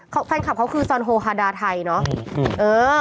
แฟนคลับเขาคือจอนโฮฮาดาไทยเนอะ